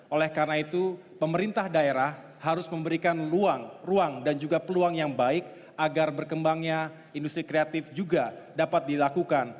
oleh karena itu pemerintah daerah harus memberikan ruang dan juga peluang yang baik agar berkembangnya industri kreatif juga dapat dilakukan